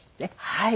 はい。